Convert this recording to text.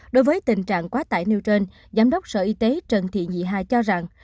đối với tình trạng quá tải nêu trên giám đốc sở y tế trần thị nhị hài cho rằng